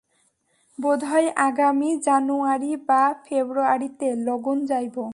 বোধ হয়, আগামী জানুআরী বা ফেব্রুআরীতে লণ্ডন যাইব।